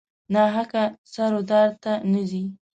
ناحقه سر و دار ته نه ځي.